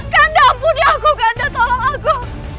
kanda ampuni aku kanda tolong aku